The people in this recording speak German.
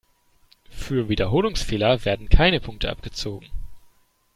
Für Wiederholungsfehler werden keine Punkte abgezogen.